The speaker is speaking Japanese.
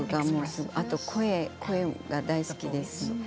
あと声が大好きです。